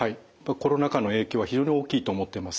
コロナ禍の影響は非常に大きいと思ってます。